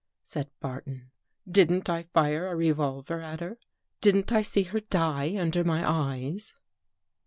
said Barton. " Didn't I fire a revolver at her? Didn't I see her die under my eyes?"